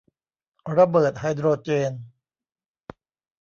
ระเบิดไฮโดรเจน